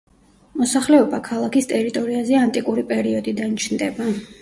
მოსახლეობა ქალაქის ტერიტორიაზე ანტიკური პერიოდიდან ჩნდება.